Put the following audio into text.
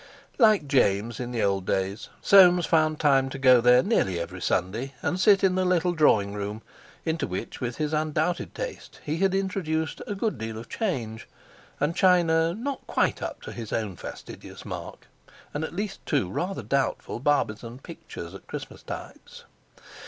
Like James in the old days, Soames found time to go there nearly every Sunday, and sit in the little drawing room into which, with his undoubted taste, he had introduced a good deal of change and china not quite up to his own fastidious mark, and at least two rather doubtful Barbizon pictures, at Christmastides.